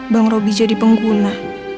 bang robi jadi pengguna